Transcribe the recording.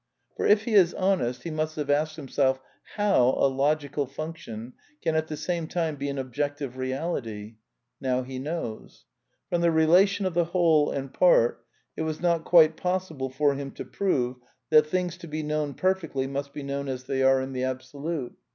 For, if he is honest, he must have asked himself how a % logical function can at the same time be an objective real 1 itj. Now he knows. From the relation of the whole and part it was not quite possible for him to prove that things to be known per fectly must be known as they are in the Absolute.